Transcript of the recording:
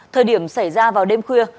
thời điểm xảy ra vào đêm khuya